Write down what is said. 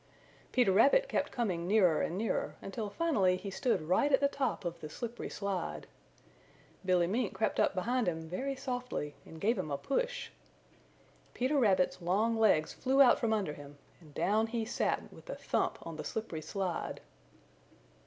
Peter Rabbit kept coming nearer and nearer until finally he stood right at the top of the slippery slide. Billy Mink crept up behind him very softly and gave him a push. Peter Rabbit's long legs flew out from under him and down he sat with a thump on the slippery slide.